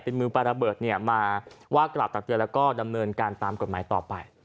เป็นมือปลาระเบิดเนี่ยมาว่ากล่าวตักเตือนแล้วก็ดำเนินการตามกฎหมายต่อไป